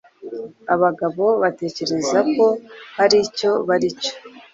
Abagabo batekereza ko hari icyo bari cyo.